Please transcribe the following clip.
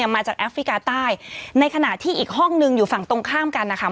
มาจากแอฟริกาใต้ในขณะที่อีกห้องนึงอยู่ฝั่งตรงข้ามกันนะคะ